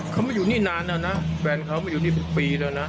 เขามาอยู่นี่นานแล้วนะแฟนเขามาอยู่นี่เป็นปีแล้วนะ